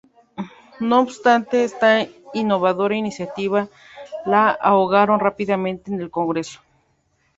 No obstante, esta innovadora iniciativa la ahogaron rápidamente en el Congreso.